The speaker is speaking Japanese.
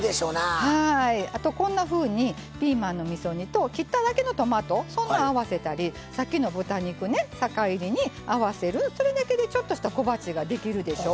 あと、こんなふうにピーマンのみそ煮と切っただけのトマトそんなん合わせたりさっきの豚肉、酒いりに合わせるそれだけで、ちょっとした小鉢ができるでしょ。